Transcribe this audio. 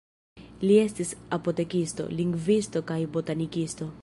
Li estis apotekisto, lingvisto kaj botanikisto.